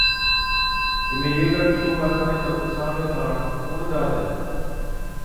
اِمھين يي ڪڻڪِي نُون ڪارخاني پر پِيساوَڻي ڪاڻ ڪُوڻ جا ڇي؟